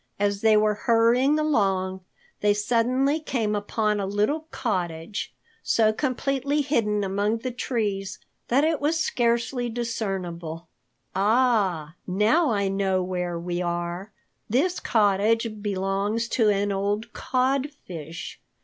As they were hurrying along, they suddenly came upon a little cottage so completely hidden among the trees that it was scarcely discernible. "Ah, now I know where we are! This cottage belongs to an old Codfish.